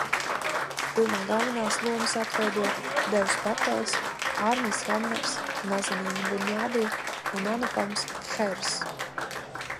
Filmā galvenās lomas atveido Devs Patels, Ārmijs Hammers, Nazenīna Bunjadi un Anupams Khers.